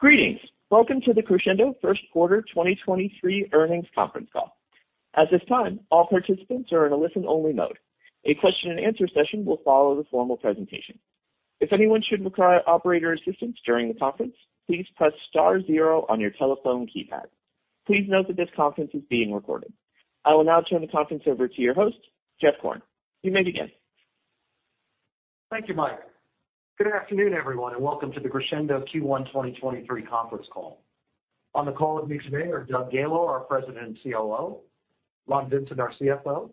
Greetings. Welcome to the Crexendo First Quarter 2023 Earnings Conference Call. At this time, all participants are in a listen-only mode. A question-and-answer session will follow the formal presentation. If anyone should require operator assistance during the conference, please press star zero on your telephone keypad. Please note that this conference is being recorded. I will now turn the conference over to your host, Jeff Korn. You may begin. Thank you, Mike. Good afternoon, everyone, and welcome to the Crexendo Q1 2023 conference call. On the call with me today are Doug Gaylor, our President and COO, Ron Vincent, our CFO,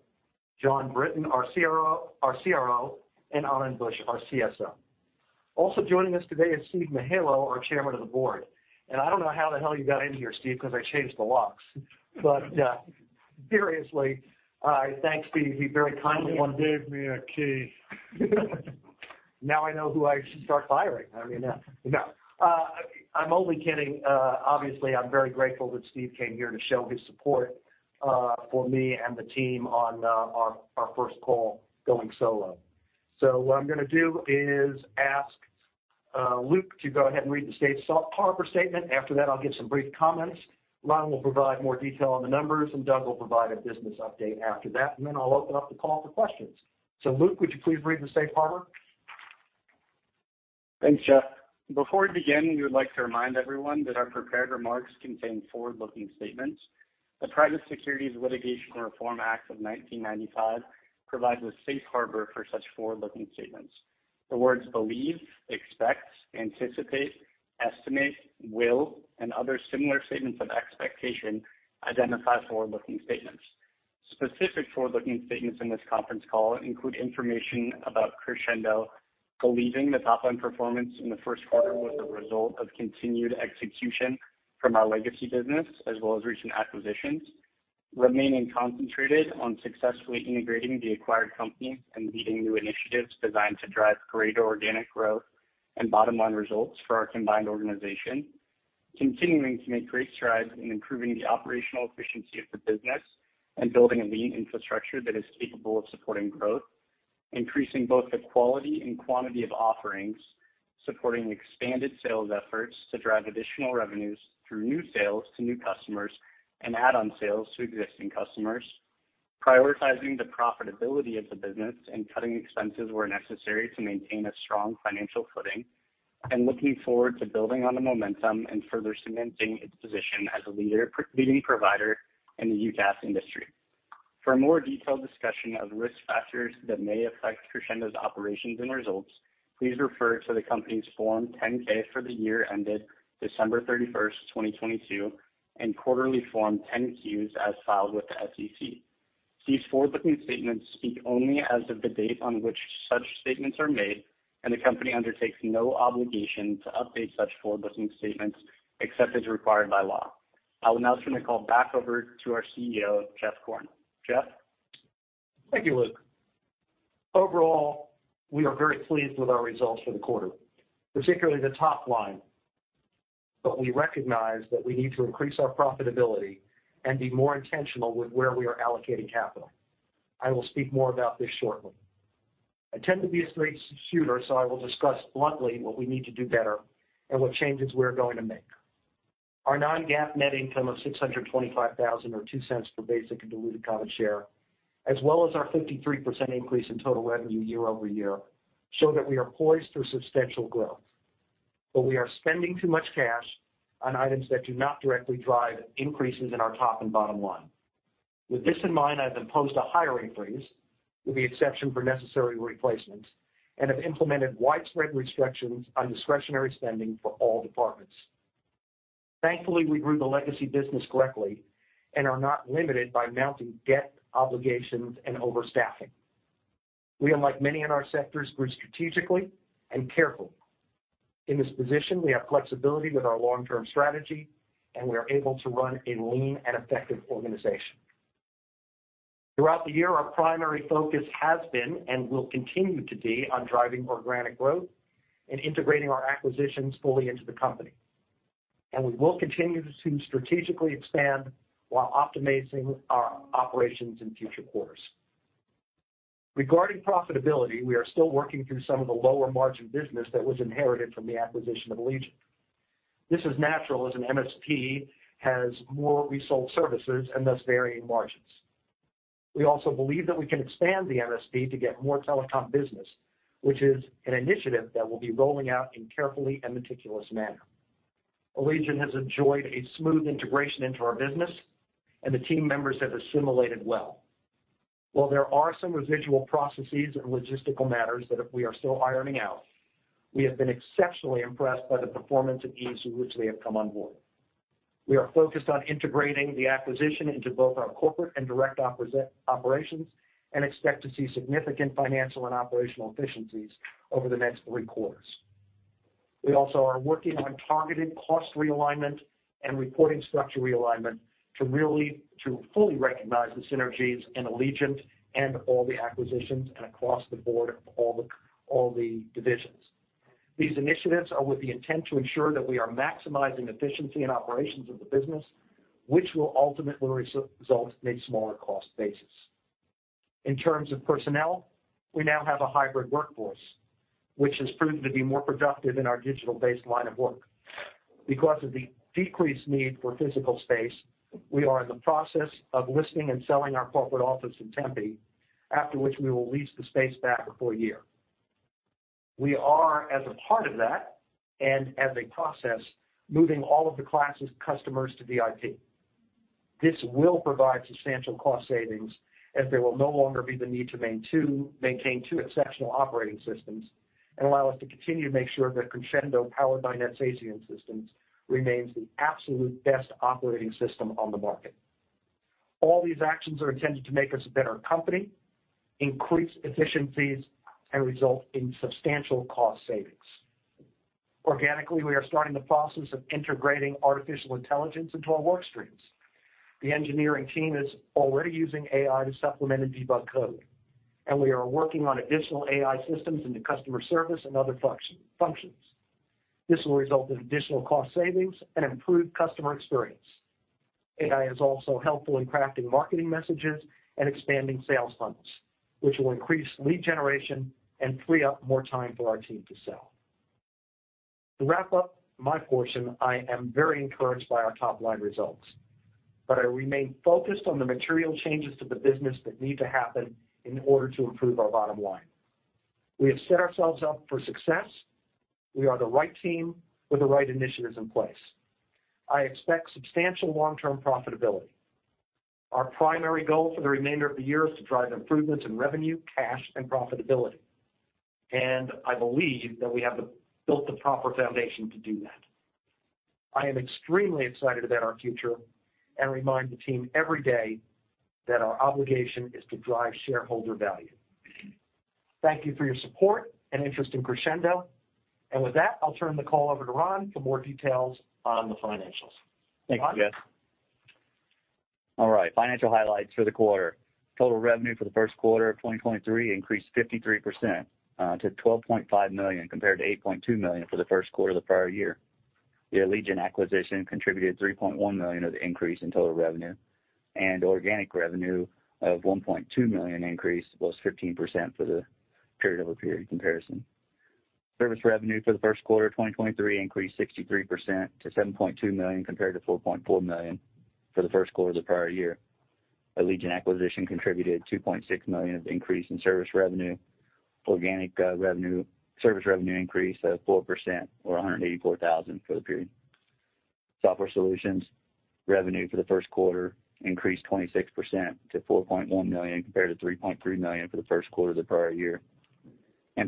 Jon Brinton, our CRO, and Anand Buch, our CSO. Also joining us today is Steve Mihaylo, our Chairman of the Board. I don't know how the hell you got in here, Steve, because I changed the locks. Seriously, I thank Steve. He very kindly- Someone gave me a key. I know who I should start firing. I mean, no. I'm only kidding. Obviously, I'm very grateful that Steve came here to show his support for me and the team on our first call going solo. What I'm gonna do is ask Luke to go ahead and read the safe harbor statement. After that, I'll give some brief comments. Ron will provide more detail on the numbers, and Doug will provide a business update after that, and then I'll open up the call for questions. Luke, would you please read the safe harbor? Thanks, Jeff. Before we begin, we would like to remind everyone that our prepared remarks contain forward-looking statements. The Private Securities Litigation Reform Act of 1995 provides a safe harbor for such forward-looking statements. The words believe, expects, anticipate, estimate, will, and other similar statements of expectation identify forward-looking statements. Specific forward-looking statements in this conference call include information about Crexendo, believing that top line performance in the first quarter was a result of continued execution from our legacy business, as well as recent acquisitions, remaining concentrated on successfully integrating the acquired companies and leading new initiatives designed to drive greater organic growth and bottom line results for our combined organization, continuing to make great strides in improving the operational efficiency of the business and building a lean infrastructure that is capable of supporting growth, increasing both the quality and quantity of offerings, supporting expanded sales efforts to drive additional revenues through new sales to new customers and add-on sales to existing customers, prioritizing the profitability of the business and cutting expenses where necessary to maintain a strong financial footing, and looking forward to building on the momentum and further cementing its position as a leading provider in the UCaaS industry. For a more detailed discussion of risk factors that may affect Crexendo's operations and results, please refer to the company's Form 10-K for the year ended December 31st, 2022, and quarterly Form 10-Qs as filed with the SEC. These forward-looking statements speak only as a good date on which certain statements are made. The company undertakes no obligation to update such forward-looking statements except as required by law. I will now turn the call back over to our CEO, Jeff Korn. Jeff? Thank you, Luke. Overall, we are very pleased with our results for the quarter, particularly the top line. We recognize that we need to increase our profitability and be more intentional with where we are allocating capital. I will speak more about this shortly. I tend to be a straight shooter, so I will discuss bluntly what we need to do better and what changes we are going to make. Our non-GAAP net income of $625,000 or $0.02 per basic and diluted common share, as well as our 53% increase in total revenue year-over-year, show that we are poised for substantial growth. We are spending too much cash on items that do not directly drive increases in our top and bottom line. With this in mind, I've imposed a hiring freeze, with the exception for necessary replacements, and have implemented widespread restrictions on discretionary spending for all departments. Thankfully, we grew the legacy business correctly and are not limited by mounting debt obligations and overstaffing. We, unlike many in our sectors, grew strategically and carefully. In this position, we have flexibility with our long-term strategy, and we are able to run a lean and effective organization. Throughout the year, our primary focus has been, and will continue to be, on driving organic growth and integrating our acquisitions fully into the company. We will continue to strategically expand while optimizing our operations in future quarters. Regarding profitability, we are still working through some of the lower margin business that was inherited from the acquisition of Allegiant Networks. This is natural as an MSP has more resold services and thus varying margins. We also believe that we can expand the MSP to get more telecom business, which is an initiative that we'll be rolling out in carefully and meticulous manner. Allegiant Networks has enjoyed a smooth integration into our business, and the team members have assimilated well. While there are some residual processes and logistical matters that we are still ironing out, we have been exceptionally impressed by the performance and ease with which they have come on board. We are focused on integrating the acquisition into both our corporate and direct operations and expect to see significant financial and operational efficiencies over the next three quarters. We also are working on targeted cost realignment and reporting structure realignment to fully recognize the synergies in Allegiant Networks and all the acquisitions and across the board of all the divisions. These initiatives are with the intent to ensure that we are maximizing efficiency and operations of the business, which will ultimately result in a smaller cost basis. In terms of personnel, we now have a hybrid workforce, which has proven to be more productive in our digital-based line of work. Because of the decreased need for physical space, we are in the process of listing and selling our corporate office in Tempe, after which we will lease the space back for a year. We are, as a part of that, and as a process, moving all of the class's customers to VIP. This will provide substantial cost savings as there will no longer be the need to maintain two exceptional operating systems and allow us to continue to make sure that Crexendo, powered by NetSapiens systems, remains the absolute best operating system on the market. All these actions are intended to make us a better company, increase efficiencies, and result in substantial cost savings. Organically, we are starting the process of integrating artificial intelligence into our work streams. The engineering team is already using AI to supplement and debug code, and we are working on additional AI systems into customer service and other functions. This will result in additional cost savings and improved customer experience. AI is also helpful in crafting marketing messages and expanding sales funnels, which will increase lead generation and free up more time for our team to sell. To wrap up my portion, I am very encouraged by our top-line results, but I remain focused on the material changes to the business that need to happen in order to improve our bottom line. We have set ourselves up for success. We are the right team with the right initiatives in place. I expect substantial long-term profitability. Our primary goal for the remainder of the year is to drive improvements in revenue, cash, and profitability. I believe that we have built the proper foundation to do that. I am extremely excited about our future and remind the team every day that our obligation is to drive shareholder value. Thank you for your support and interest in Crexendo. With that, I'll turn the call over to Ron for more details on the financials. Ron? Thanks, Jeff. All right. Financial highlights for the quarter. Total revenue for the first quarter of 2023 increased 53% to $12.5 million compared to $8.2 million for the first quarter of the prior year. The Allegiant acquisition contributed $3.1 million of the increase in total revenue, and organic revenue of $1.2 million increase was 15% for the period-over-period comparison. Service revenue for the first quarter of 2023 increased 63% to $7.2 million compared to $4.4 million for the first quarter of the prior year. Allegiant acquisition contributed $2.6 million of the increase in service revenue. Organic service revenue increase of 4% or $184,000 for the period. Software solutions revenue for the first quarter increased 26% to $4.1 million compared to $3.3 million for the first quarter of the prior year.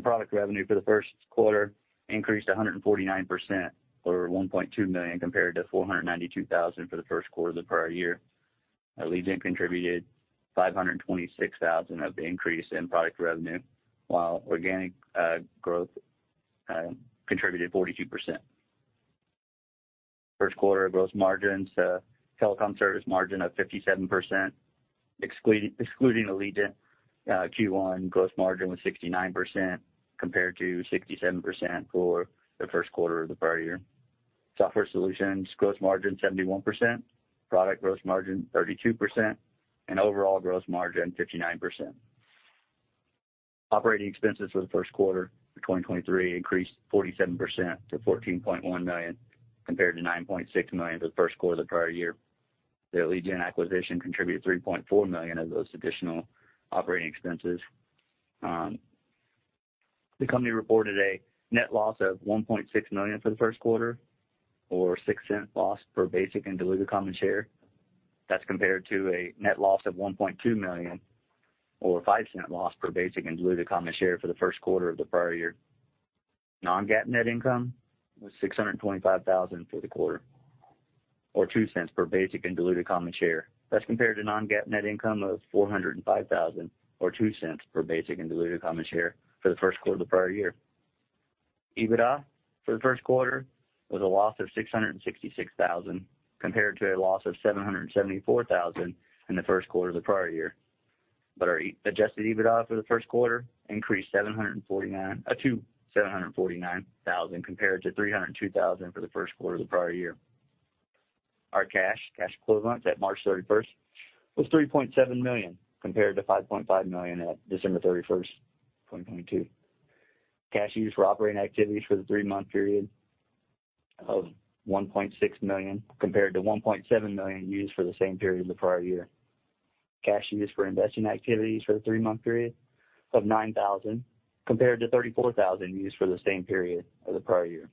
Product revenue for the first quarter increased 149% or $1.2 million compared to $492,000 for the first quarter of the prior year. Allegiant contributed $526 thousand of the increase in product revenue, while organic growth contributed 42%. First quarter gross margins, telecom service margin of 57%. Excluding Allegiant, Q1 gross margin was 69% compared to 67% for the first quarter of the prior year. Software solutions gross margin 71%, product gross margin 32%, and overall gross margin 59%. Operating expenses for the first quarter of 2023 increased 47% to $14.1 million, compared to $9.6 million for the first quarter of the prior year. The Allegiant Networks acquisition contributed $3.4 million of those additional operating expenses. The company reported a net loss of $1.6 million for the first quarter, or $0.06 loss per basic and diluted common share. That's compared to a net loss of $1.2 million or $0.05 loss per basic and diluted common share for the first quarter of the prior year. Non-GAAP net income was $625,000 for the quarter or $0.02 per basic and diluted common share. That's compared to non-GAAP net income of $405,000 or $0.02 per basic and diluted common share for the first quarter of the prior year. EBITDA for the first quarter was a loss of $666,000, compared to a loss of $774,000 in the first quarter of the prior year. Our adjusted EBITDA for the first quarter increased to $749,000, compared to $302,000 for the first quarter of the prior year. Our cash equivalents at March 31st was $3.7 million, compared to $5.5 million at December 31st, 2022. Cash used for operating activities for the three-month period of $1.6 million, compared to $1.7 million used for the same period the prior year. Cash used for investing activities for the three-month period of $9,000, compared to $34,000 used for the same period as the prior year.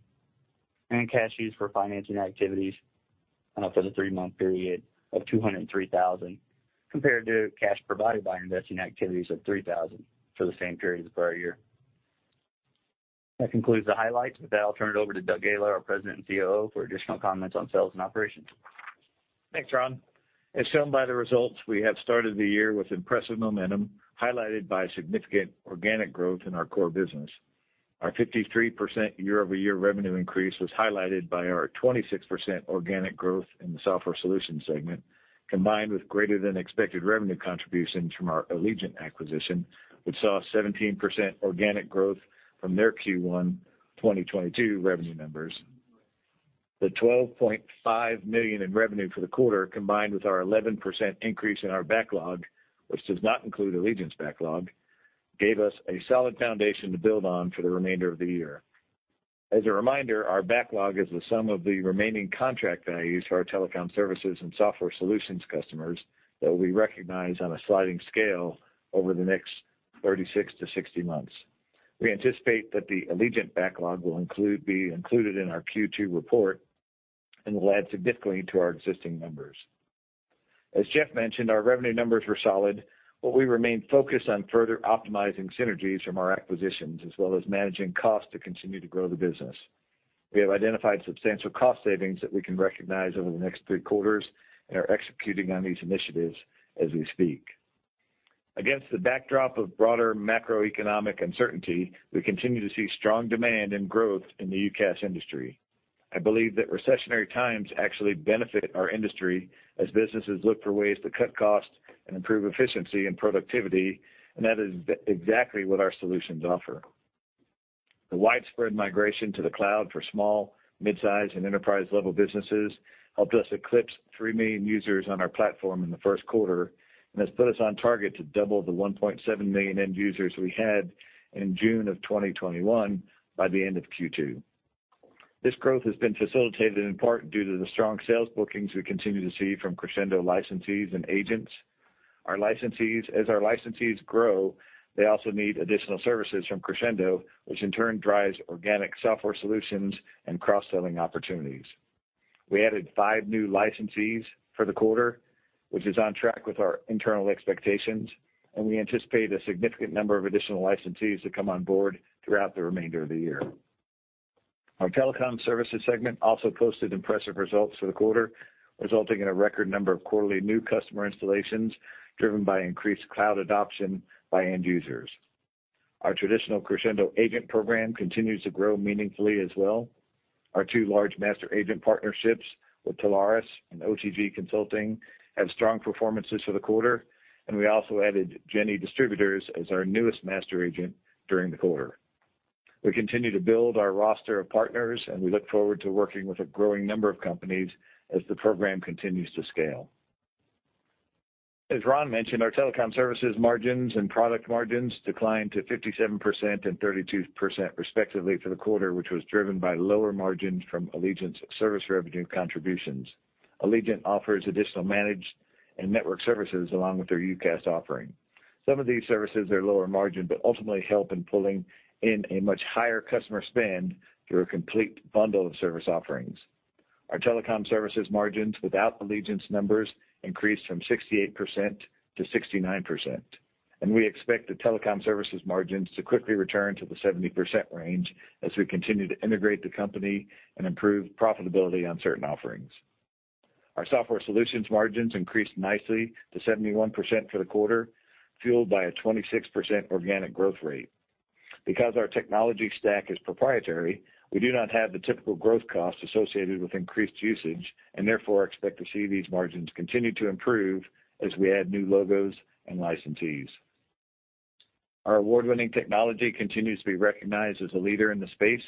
Cash used for financing activities for the three-month period of $203,000, compared to cash provided by investing activities of $3,000 for the same period as the prior year. That concludes the highlights. With that, I'll turn it over to Doug Gaylor, our President and COO, for additional comments on sales and operations. Thanks, Ron. As shown by the results, we have started the year with impressive momentum, highlighted by significant organic growth in our core business. Our 53% year-over-year revenue increase was highlighted by our 26% organic growth in the software solutions segment, combined with greater than expected revenue contributions from our Allegiant acquisition, which saw 17% organic growth from their Q1 2022 revenue numbers. The $12.5 million in revenue for the quarter, combined with our 11% increase in our backlog, which does not include Allegiant's backlog, gave us a solid foundation to build on for the remainder of the year. As a reminder, our backlog is the sum of the remaining contract values for our telecom services and software solutions customers that we recognize on a sliding scale over the next 36-60 months. We anticipate that the Allegiant backlog will be included in our Q2 report and will add significantly to our existing numbers. As Jeff mentioned, our revenue numbers were solid, but we remain focused on further optimizing synergies from our acquisitions, as well as managing costs to continue to grow the business. We have identified substantial cost savings that we can recognize over the next three quarters and are executing on these initiatives as we speak. Against the backdrop of broader macroeconomic uncertainty, we continue to see strong demand and growth in the UCaaS industry. I believe that recessionary times actually benefit our industry as businesses look for ways to cut costs and improve efficiency and productivity. That is exactly what our solutions offer. The widespread migration to the cloud for small, mid-size, and enterprise-level businesses helped us eclipse 3 million users on our platform in the first quarter and has put us on target to double the 1.7 million end users we had in June of 2021 by the end of Q2. This growth has been facilitated in part due to the strong sales bookings we continue to see from Crexendo licensees and agents. As our licensees grow, they also need additional services from Crexendo, which in turn drives organic software solutions and cross-selling opportunities. We added five new licensees for the quarter, which is on track with our internal expectations. We anticipate a significant number of additional licensees to come on board throughout the remainder of the year. Our telecom services segment also posted impressive results for the quarter, resulting in a record number of quarterly new customer installations driven by increased cloud adoption by end users. Our traditional Crexendo agent program continues to grow meaningfully as well. Our two large master agent partnerships with Telarus and OTG Consulting had strong performances for the quarter. We also added Jenne Distributors as our newest master agent during the quarter. We continue to build our roster of partners, and we look forward to working with a growing number of companies as the program continues to scale. As Ron mentioned, our telecom services margins and product margins declined to 57% and 32% respectively for the quarter, which was driven by lower margins from Allegiant service revenue contributions. Allegiant offers additional managed and network services along with their UCaaS offering. Some of these services are lower margin, but ultimately help in pulling in a much higher customer spend through a complete bundle of service offerings. Our telecom services margins without Allegiant's numbers increased from 68% to 69%, and we expect the telecom services margins to quickly return to the 70% range as we continue to integrate the company and improve profitability on certain offerings. Our software solutions margins increased nicely to 71% for the quarter, fueled by a 26% organic growth rate. Our technology stack is proprietary, we do not have the typical growth costs associated with increased usage, therefore expect to see these margins continue to improve as we add new logos and licensees. Our award-winning technology continues to be recognized as a leader in the space,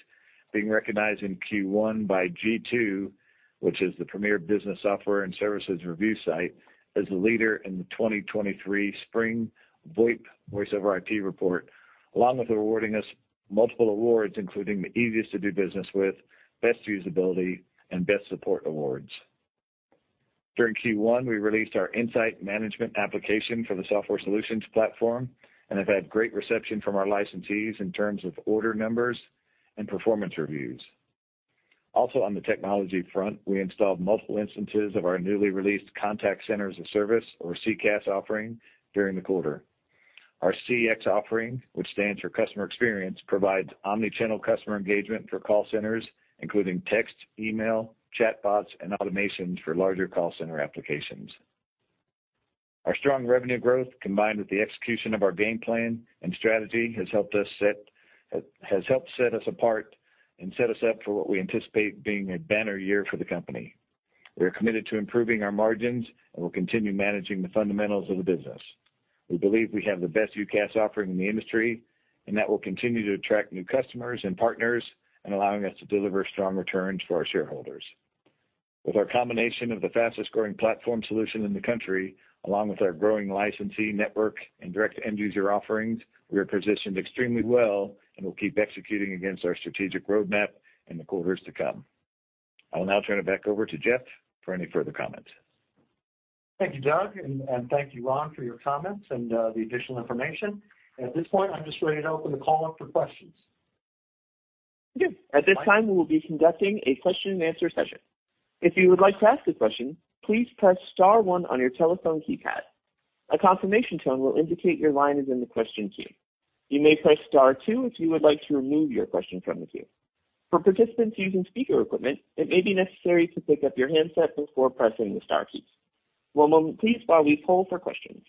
being recognized in Q1 by G2, which is the premier business software and services review site, as a leader in the 2023 spring VoIP, Voice over IP report, along with awarding us multiple awards, including the easiest to do business with, best usability, and best support awards. During Q1, we released our insight management application for the software solutions platform have had great reception from our licensees in terms of order numbers and performance reviews. On the technology front, we installed multiple instances of our newly released contact centers of service or CCaaS offering during the quarter. Our CX offering, which stands for customer experience, provides omni-channel customer engagement for call centers, including text, email, chatbots, and automations for larger call center applications. Our strong revenue growth, combined with the execution of our game plan and strategy, has helped set us apart and set us up for what we anticipate being a banner year for the company. We are committed to improving our margins and will continue managing the fundamentals of the business. We believe we have the best UCaaS offering in the industry, and that will continue to attract new customers and partners in allowing us to deliver strong returns for our shareholders. With our combination of the fastest-growing platform solution in the country, along with our growing licensee network and direct end user offerings, we are positioned extremely well and will keep executing against our strategic roadmap in the quarters to come. I will now turn it back over to Jeff for any further comments. Thank you, Doug, and thank you, Ron, for your comments and the additional information. At this point, I'm just ready to open the call up for questions. Good. At this time, we will be conducting a question-and-answer session. If you would like to ask a question, please press star one on your telephone keypad. A confirmation tone will indicate your line is in the question queue. You may press star two if you would like to remove your question from the queue. For participants using speaker equipment, it may be necessary to pick up your handset before pressing the star keys. One moment please while we poll for questions.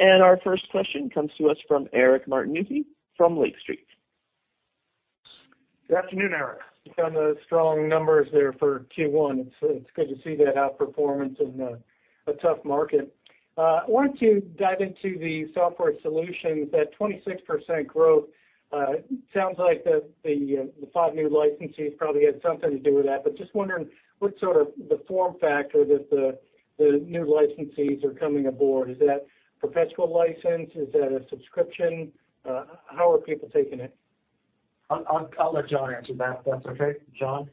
Our first question comes to us from Eric Martinuzzi from Lake Street. Good afternoon, Eric. On the strong numbers there for Q1, it's good to see that outperformance in a tough market. I want to dive into the software solutions. That 26% growth sounds like the five new licensees probably had something to do with that, but just wondering what sort of the form factor that the new licensees are coming aboard. Is that perpetual license? Is that a subscription? How are people taking it? I'll let John answer that if that's okay. John?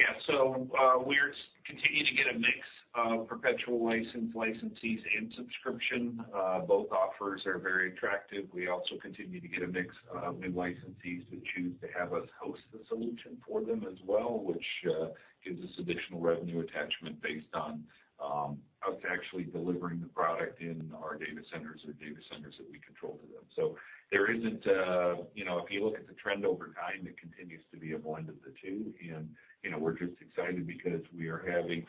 Yeah. We're continuing to get a mix of perpetual license licensees and subscription. Both offers are very attractive. We also continue to get a mix of new licensees who choose to have us host the solution for them as well, which gives us additional revenue attachment based on us actually delivering the product in our data centers or data centers that we control to them. You know, if you look at the trend over time, it continues to be a blend of the two. You know, we're just excited because we are having.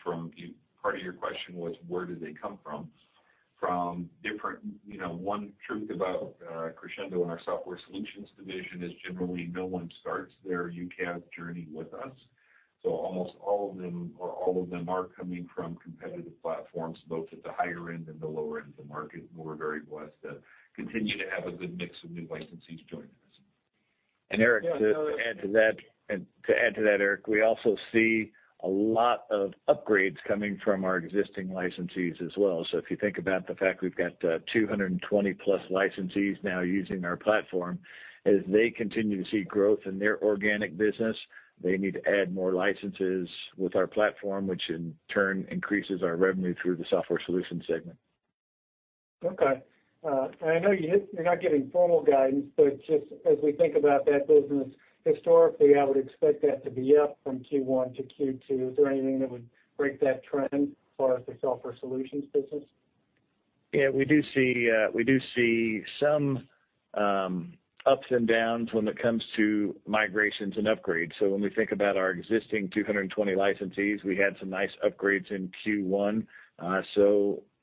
Part of your question was, where do they come from? You know, one truth about Crexendo and our software solutions division is generally no one starts their UCaaS journey with us. Almost all of them or all of them are coming from competitive platforms, both at the higher end and the lower end of the market, and we're very blessed to continue to have a good mix of new licensees joining us. Eric, to add to that, Eric, we also see a lot of upgrades coming from our existing licensees as well. If you think about the fact we've got 220+ licensees now using our platform, as they continue to see growth in their organic business, they need to add more licenses with our platform, which in turn increases our revenue through the software solution segment. Okay. I know you're not giving formal guidance, but just as we think about that business, historically, I would expect that to be up from Q1 to Q2. Is there anything that would break that trend as far as the software solutions business? We do see some ups and downs when it comes to migrations and upgrades. When we think about our existing 220 licensees, we had some nice upgrades in Q1.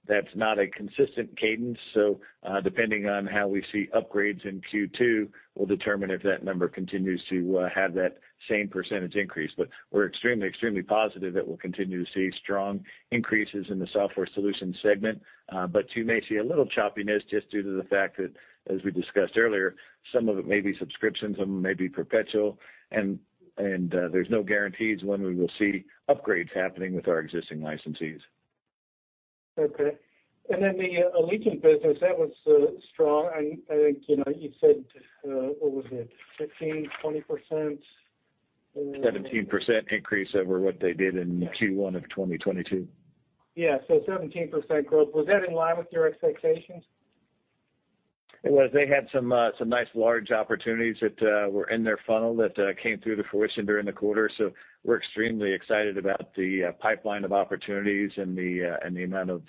That's not a consistent cadence. Depending on how we see upgrades in Q2 will determine if that number continues to have that same percentage increase. We're extremely positive that we'll continue to see strong increases in the software solution segment. You may see a little choppiness just due to the fact that, as we discussed earlier, some of it may be subscriptions, some of it may be perpetual, and there's no guarantees when we will see upgrades happening with our existing licensees. Okay. The, Allegiant business, that was, strong. I think, you know, you said, what was it? 15%, 20%? 17% increase over what they did in Q1 of 2022. Yeah. 17% growth. Was that in line with your expectations? It was. They had some nice large opportunities that, were in their funnel that, came through to fruition during the quarter. We're extremely excited about the pipeline of opportunities and the and the amount of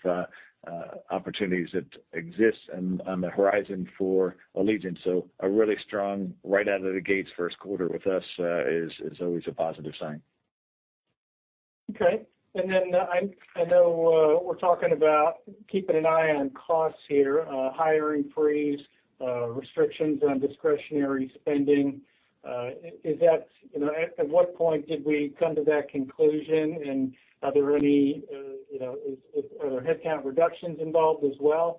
opportunities that exist on the horizon for Allegiant. A really strong right out of the gates first quarter with us, is always a positive sign. Okay. I know, we're talking about keeping an eye on costs here, hiring freeze, restrictions on discretionary spending. Is that... You know, at what point did we come to that conclusion? Are there any, you know... Are there headcount reductions involved as well?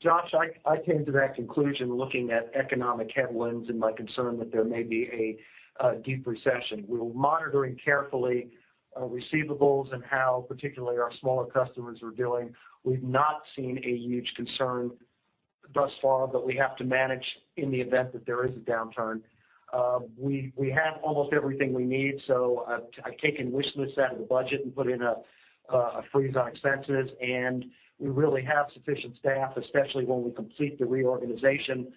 Josh, I came to that conclusion looking at economic headwinds and my concern that there may be a deep recession. We're monitoring carefully, receivables and how particularly our smaller customers are doing. We've not seen a huge concern thus far, but we have to manage in the event that there is a downturn. We have almost everything we need, so I've taken wish lists out of the budget and put in a freeze on expenses, and we really have sufficient staff, especially when we complete the reorganization.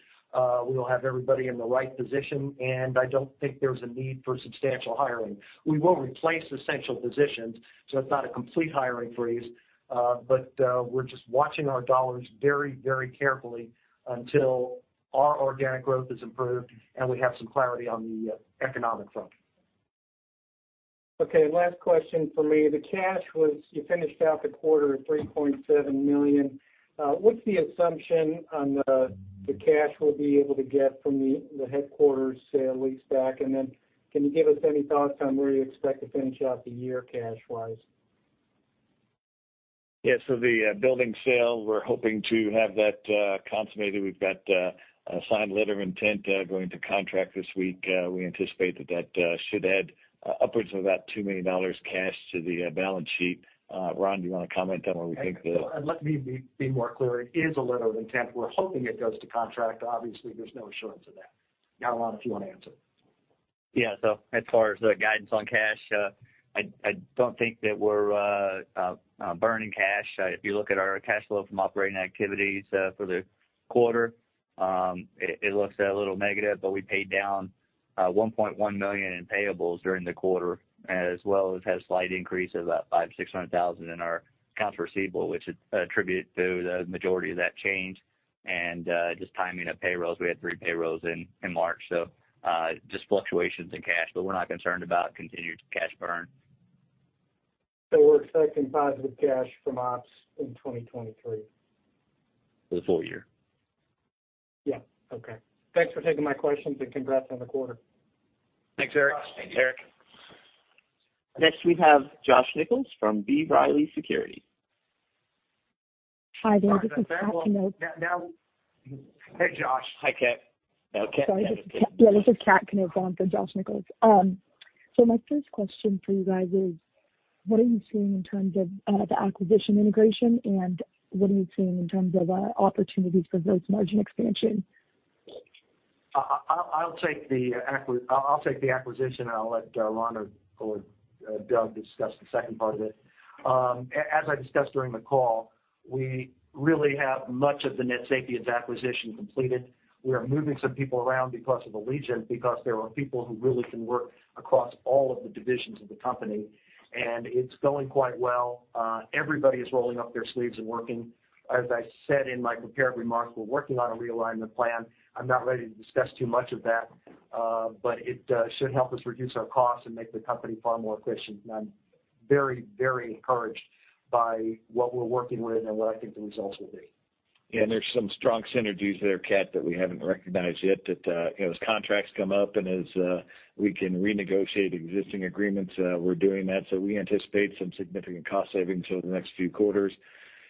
We will have everybody in the right position, and I don't think there's a need for substantial hiring. We will replace essential positions, so it's not a complete hiring freeze, but we're just watching our dollars very, very carefully until our organic growth is improved and we have some clarity on the economic front. Okay. Last question for me. You finished out the quarter at $3.7 million. What's the assumption on the cash we'll be able to get from the headquarters sale leaseback? Can you give us any thoughts on where you expect to finish out the year cash-wise? The building sale, we're hoping to have that consummated. We've got a signed letter of intent going to contract this week. We anticipate that that should add upwards of about $2 million cash to the balance sheet. Ron, do you wanna comment on where we think. And let me be more clear. It is a letter of intent. We're hoping it goes to contract. Obviously, there's no assurance of that. Ron, if you wanna answer. Yeah. As far as the guidance on cash, I don't think that we're burning cash. If you look at our cash flow from operating activities, for the quarter, it looks a little negative, but we paid down $1.1 million in payables during the quarter, as well as had a slight increase of about $500,000-$600,000 in our accounts receivable, which is attribute to the majority of that change. Just timing of payrolls, we had three payrolls in March, so, just fluctuations in cash. We're not concerned about continued cash burn. We're expecting positive cash from ops in 2023. For the full year. Yeah. Okay. Thanks for taking my questions. Congrats on the quarter. Thanks, Eric. Thanks, Eric. Next, we have Josh Nichols from B. Riley Securities. Hi there. This is Kat, you know- Hey, Josh. Hi, Kat. Oh, Kat. Sorry. This is yeah, this is Kat Konev on for Josh Nichols. My first question for you guys is, what are you seeing in terms of the acquisition integration, and what are you seeing in terms of opportunities for gross margin expansion? I'll take the acquisition, I'll let Ron or Doug discuss the second part of it. As I discussed during the call, we really have much of the NetSapiens acquisition completed. We are moving some people around because of Allegiant, because there are people who really can work across all of the divisions of the company, it's going quite well. Everybody is rolling up their sleeves and working. As I said in my prepared remarks, we're working on a realignment plan. I'm not ready to discuss too much of that, it should help us reduce our costs and make the company far more efficient. I'm very, very encouraged by what we're working with and what I think the results will be. Yeah, there's some strong synergies there, Kat, that we haven't recognized yet that, you know, as contracts come up and as we can renegotiate existing agreements, we're doing that. We anticipate some significant cost savings over the next few quarters.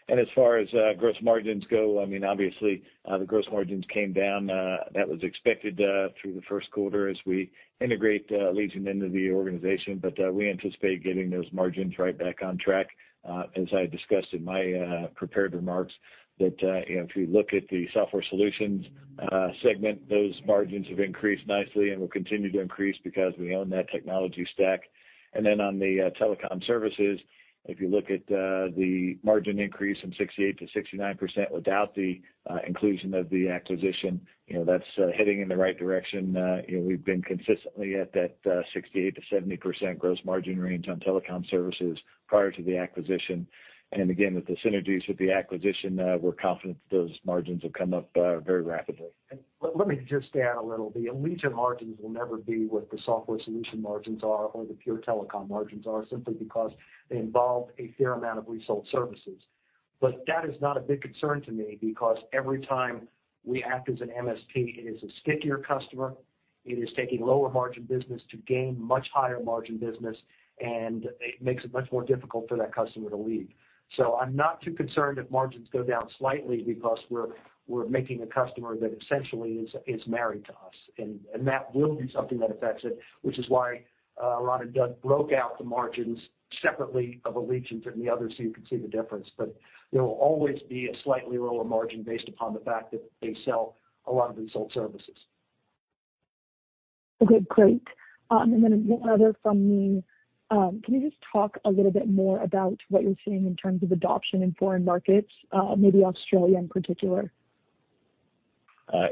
As far as gross margins go, I mean, obviously, the gross margins came down, that was expected through the first quarter as we integrate Allegiant into the organization. We anticipate getting those margins right back on track as I discussed in my prepared remarks that, you know, if you look at the software solutions segment, those margins have increased nicely and will continue to increase because we own that technology stack. Then on the telecom services, if you look at the margin increase from 68%-69% without the inclusion of the acquisition, you know, that's heading in the right direction. You know, we've been consistently at that 68%-70% gross margin range on telecom services prior to the acquisition. Again, with the synergies with the acquisition, we're confident that those margins will come up very rapidly. Let me just add a little. The Allegiant margins will never be what the software solution margins are or the pure telecom margins are simply because they involve a fair amount of resold services. That is not a big concern to me because every time we act as an MSP, it is a stickier customer, it is taking lower margin business to gain much higher margin business, and it makes it much more difficult for that customer to leave. I'm not too concerned if margins go down slightly because we're making a customer that essentially is married to us, and that will be something that affects it, which is why Ron and Doug broke out the margins separately of Allegiant from the others so you can see the difference. There will always be a slightly lower margin based upon the fact that they sell a lot of resold services. Okay, great. One other from me. Can you just talk a little bit more about what you're seeing in terms of adoption in foreign markets, maybe Australia in particular?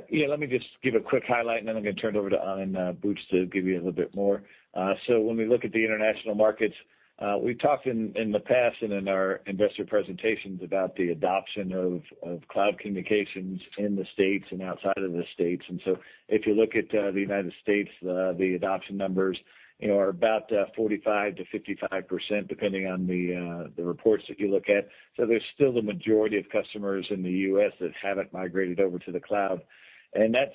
Yeah, let me just give a quick highlight, and then I'm gonna turn it over to Anand Buch to give you a little bit more. When we look at the international markets, we've talked in the past and in our investor presentations about the adoption of cloud communications in the States and outside of the States. If you look at the United States, the adoption numbers, you know, are about 45%-55%, depending on the reports that you look at. There's still the majority of customers in the U.S. that haven't migrated over to the cloud. That's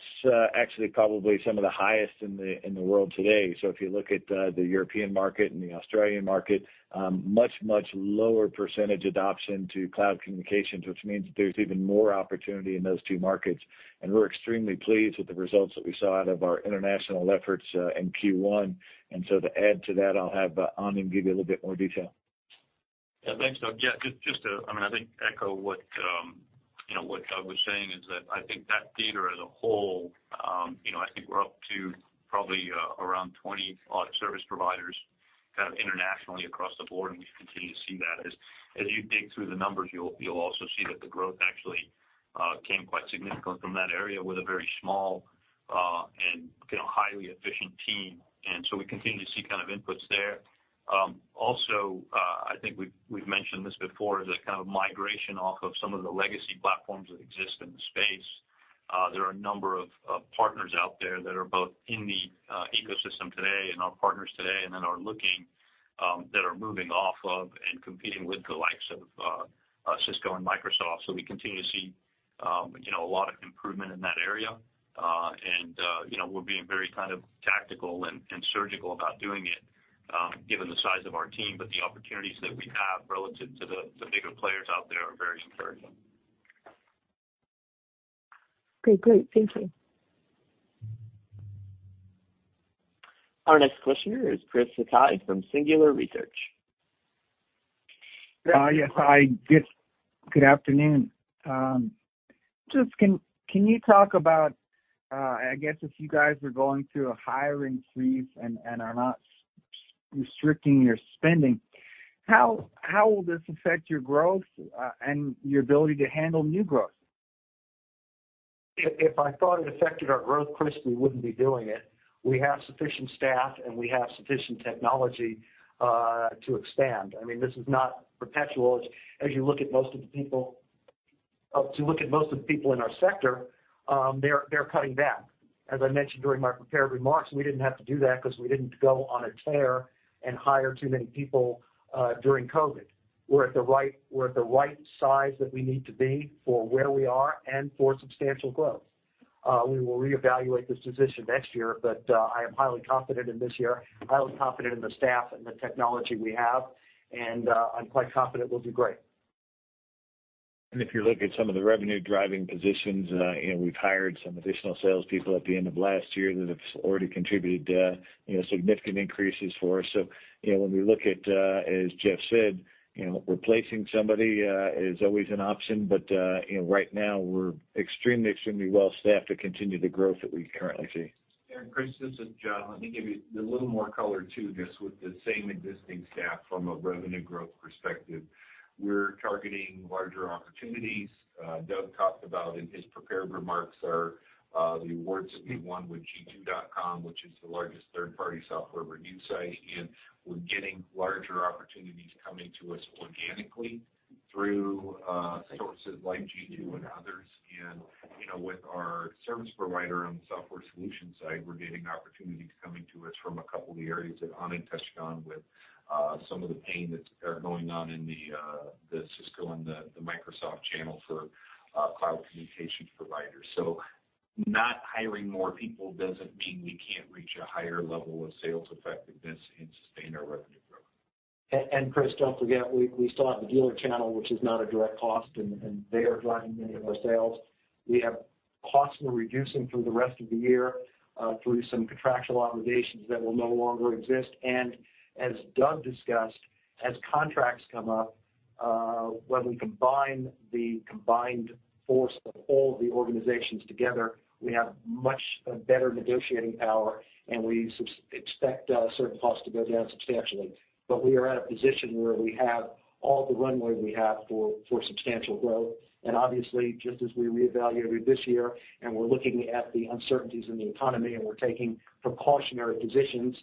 actually probably some of the highest in the world today. If you look at the European market and the Australian market, much lower percentage adoption to cloud communications, which means that there's even more opportunity in those two markets. We're extremely pleased with the results that we saw out of our international efforts in Q1. To add to that, I'll have Anand give you a little bit more detail. Yeah, thanks, Doug. Yeah, just to, I mean, I think echo what, you know, what Doug was saying is that I think that Telarus as a whole, you know, I think we're up to probably, around 20-odd service providers kind of internationally across the board. We continue to see that. As you dig through the numbers, you'll also see that the growth actually came quite significantly from that area with a very small and, you know, highly efficient team. We continue to see kind of inputs there. Also, I think we've mentioned this before as a kind of migration off of some of the legacy platforms that exist in the space. There are a number of partners out there that are both in the ecosystem today and are partners today and then are looking that are moving off of and competing with the likes of Cisco and Microsoft. We continue to see, you know, a lot of improvement in that area. You know, we're being very kind of tactical and surgical about doing it, given the size of our team, but the opportunities that we have relative to the bigger players out there are very encouraging. Okay, great. Thank you. Our next questioner is Chris Sakai from Singular Research. Yes. Yes, hi, just good afternoon. Just can you talk about, I guess if you guys are going through a hiring freeze and are not restricting your spending, how will this affect your growth, and your ability to handle new growth? If I thought it affected our growth, Chris, we wouldn't be doing it. We have sufficient staff, and we have sufficient technology to expand. I mean, this is not perpetual. As you look at most of the people in our sector, they're cutting back. I mentioned during my prepared remarks, we didn't have to do that 'cause we didn't go on a tear and hire too many people during COVID. We're at the right size that we need to be for where we are and for substantial growth. We will reevaluate this position next year, but I am highly confident in this year, highly confident in the staff and the technology we have, and I'm quite confident we'll do great. If you look at some of the revenue-driving positions, you know, we've hired some additional salespeople at the end of last year that have already contributed, you know, significant increases for us. When we look at, as Jeff Korn said, you know, replacing somebody is always an option, but, you know, right now we're extremely well staffed to continue the growth that we currently see. Chris, this is Jon. Let me give you a little more color to this. With the same existing staff from a revenue growth perspective, we're targeting larger opportunities, Doug talked about in his prepared remarks are, the awards that we won with G2.com, which is the largest third-party software review site. We're getting larger opportunities coming to us organically through sources like G2 and others. You know, with our service provider on the software solution side, we're getting opportunities coming to us from a couple of the areas that Anand touched on with some of the pain that's going on in the Cisco and the Microsoft channel for cloud communication providers. Not hiring more people doesn't mean we can't reach a higher level of sales effectiveness and sustain our revenue growth. Chris, don't forget, we still have the dealer channel, which is not a direct cost, and they are driving many of our sales. We have costs we're reducing through the rest of the year, through some contractual obligations that will no longer exist. As Doug discussed, as contracts come up, when we combine the combined force of all the organizations together, we have much better negotiating power, and we expect certain costs to go down substantially. We are at a position where we have all the runway we have for substantial growth. Obviously just as we reevaluated this year, and we're looking at the uncertainties in the economy, and we're taking precautionary positions,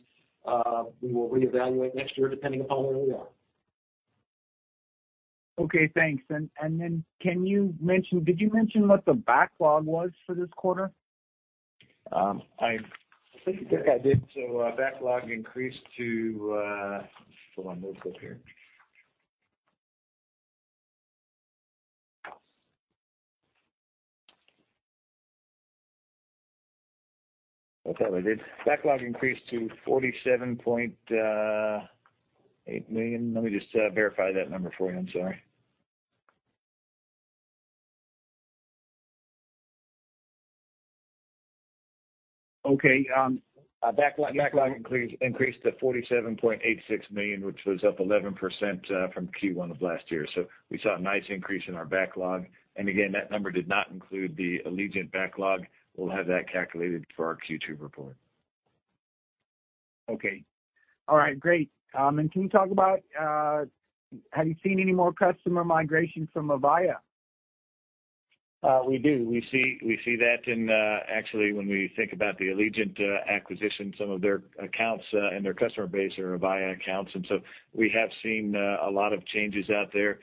we will reevaluate next year depending upon where we are. Okay, thanks. Did you mention what the backlog was for this quarter? I think I did. Backlog increased to. Hold on. Let me look up here. I probably did. Backlog increased to $47.8 million. Let me just verify that number for you. I'm sorry. Our backlog increased to $47.86 million, which was up 11% from Q1 of last year. We saw a nice increase in our backlog. Again, that number did not include the Allegiant backlog. We'll have that calculated for our Q2 report. Okay. All right. Great. Can you talk about, have you seen any more customer migration from Avaya? We do. We see that in, actually when we think about the Allegiant acquisition, some of their accounts and their customer base are Avaya accounts. We have seen a lot of changes out there.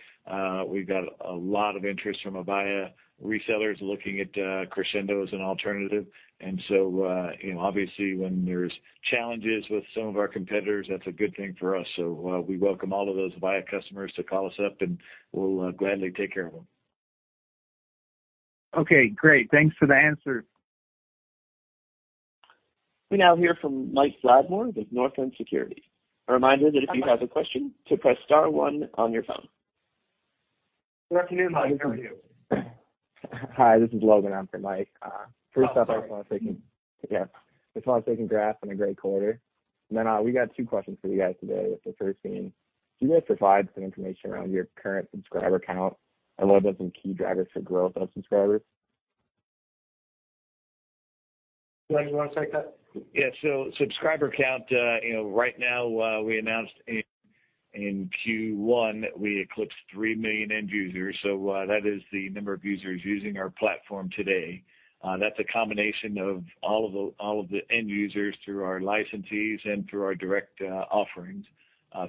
We've got a lot of interest from Avaya resellers looking at Crexendo as an alternative. You know, obviously when there's challenges with some of our competitors, that's a good thing for us. We welcome all of those Avaya customers to call us up, and we'll gladly take care of them. Okay, great. Thanks for the answer. We now hear from Mike Latimore with Northland Securities. A reminder that if you have a question, to press star one on your phone. Good afternoon, Mike. How are you? Hi, this is Logan. I'm from Mike. Oh, sorry. First up, I just wanna thank him. Yeah. Just wanna say congrats on a great quarter. Then, we got two questions for you guys today. With the first being, can you guys provide some information around your current subscriber count and what are some key drivers for growth of subscribers? Doug, you wanna take that? Yeah. Subscriber count, you know, right now, we announced in Q1 that we eclipsed 3 million end users. That is the number of users using our platform today. That's a combination of all of the end users through our licensees and through our direct offerings.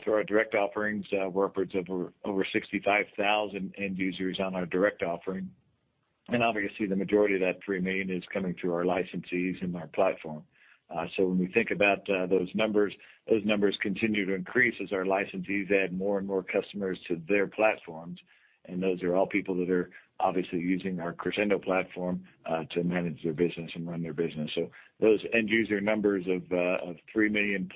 Through our direct offerings, we're upwards of over 65,000 end users on our direct offering. Obviously the majority of that 3 million is coming through our licensees and our platform. When we think about those numbers, those numbers continue to increase as our licensees add more and more customers to their platforms. Those are all people that are obviously using our Crexendo platform to manage their business and run their business. Those end user numbers of 3 million+,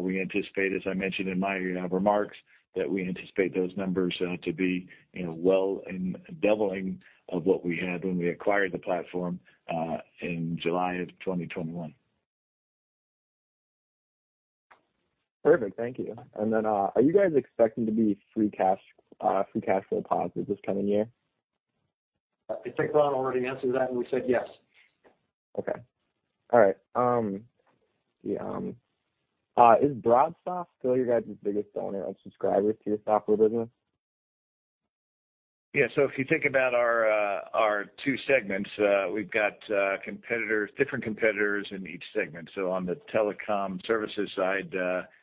we anticipate, as I mentioned in my remarks, that we anticipate those numbers to be, you know, well in doubling of what we had when we acquired the platform in July of 2021. Perfect. Thank you. Are you guys expecting to be free cash flow positive this coming year? I think Ron already answered that, and we said yes. Okay. All right. Is BroadSoft still your guys' biggest owner on subscribers to your software business? If you think about our two segments, we've got different competitors in each segment. On the telecom services side,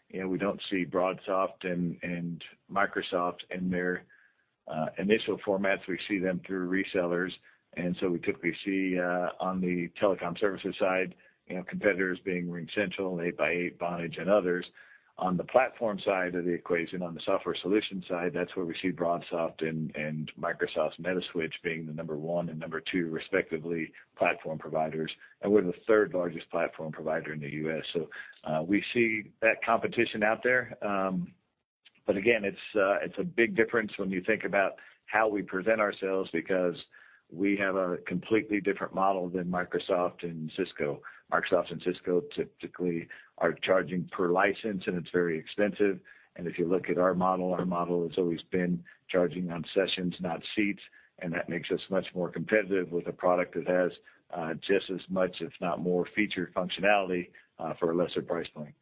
you know, we don't see BroadSoft and Microsoft in their initial formats. We see them through resellers. We typically see on the telecom services side, you know, competitors being RingCentral, 8x8, Vonage, and others. On the platform side of the equation, on the software solution side, that's where we see BroadSoft and Microsoft's Metaswitch being the number 1 and number 2 respectively platform providers. We're the third-largest platform provider in the U.S.. We see that competition out there. But again, it's a big difference when you think about how we present ourselves because we have a completely different model than Microsoft and Cisco. Microsoft and Cisco typically are charging per license, and it's very expensive. If you look at our model, our model has always been charging on sessions, not seats. That makes us much more competitive with a product that has just as much, if not more, featured functionality for a lesser price point.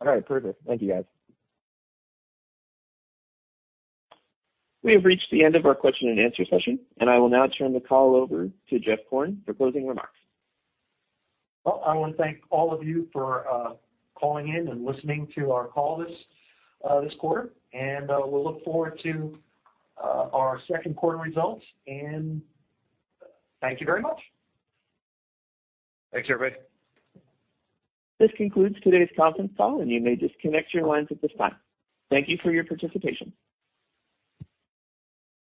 All right. Perfect. Thank you, guys. We have reached the end of our question-and-answer session. I will now turn the call over to Jeff Korn for closing remarks. Well, I wanna thank all of you for calling in and listening to our call this quarter, and we'll look forward to our second quarter results. Thank you very much. Thanks, everybody. This concludes today's conference call, and you may disconnect your lines at this time. Thank you for your participation.